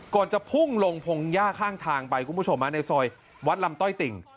จะพุ่งลงพงหญ้าข้างทางไปคุณผู้ชมในซอยวัดลำต้อยติ่ง